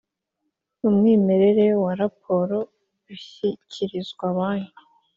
Umwimerere wa raporo ushyikirizwa Banki